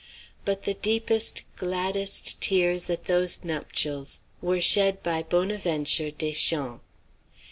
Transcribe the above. But the deepest, gladdest tears at those nuptials were shed by Bonaventure Deschamps.